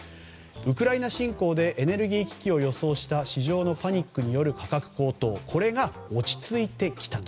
ウクライナ侵攻でエネルギー危機を予想した市場のパニックによる価格高騰が落ち着いてきたと。